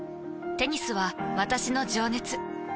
テニスは私の情熱。